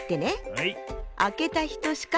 はい！